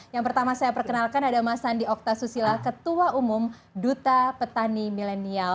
yang pertama saya perkenalkan ada mas andi oktasusila ketua umum duta petani milenial